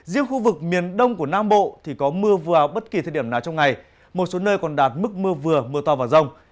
riêng khu vực miền đông của nam bộ thì có mưa vừa bất kỳ thời điểm nào trong ngày một số nơi còn đạt mức mưa vừa mưa to và rông